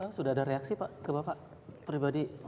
dan itu sudah ada reaksi pak ke bapak pribadi